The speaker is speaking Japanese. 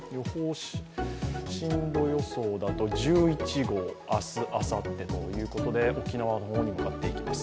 進路予想だと、１１号、明日、あさってということで沖縄の方に向かっていきます。